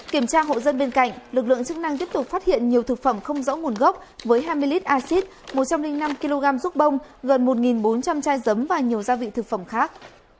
kiểm tra hộ dân bên cạnh lực lượng chức năng tiếp tục phát hiện nhiều thực phẩm không rõ nguồn gốc với hai mươi lít acid một trăm linh năm kg ruốc bông gần một bốn trăm linh chai dấm và nhiều gia vị thực phẩm khác